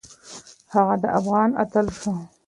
هغه د افغان اتل شو